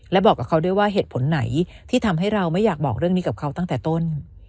และบอกกับเขาด้วยว่าเหตุผลไหนที่ทำให้เราไม่อยากบอกเรื่องนี้กับเขาตั้งแต่ต้น